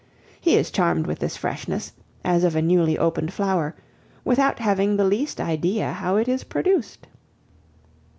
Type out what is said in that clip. He is charmed with this freshness, as of a newly opened flower, without having the least idea how it is produced.